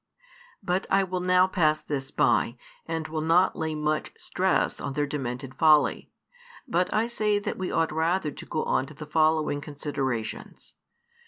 But I will now pass this by, and will not lay much stress on their demented folly. But I say that we ought rather to go on to the following considerations.